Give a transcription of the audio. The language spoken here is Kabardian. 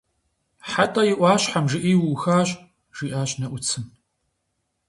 «Хьэтӏэ и ӏуащхьэм жыӏи, уухащ», – жиӏащ Нэӏуцым.